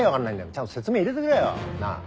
ちゃんと説明入れてくれよなあ。